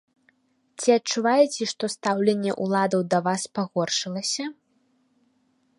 Ці адчуваеце, што стаўленне ўладаў да вас пагоршылася?